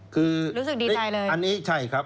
รู้สึกดีใจเลย